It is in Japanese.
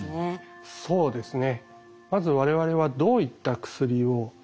そうですね。